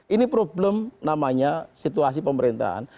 ini problem namanya situasi pemerintahan